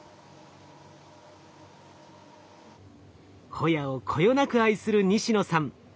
ホヤをこよなく愛する西野さん。